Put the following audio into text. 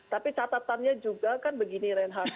tapi catatannya juga kan begini reinhardt